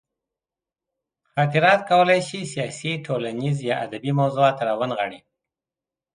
خاطرات کولی شي سیاسي، ټولنیز یا ادبي موضوعات راونغاړي.